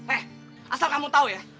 eh asal kamu tahu ya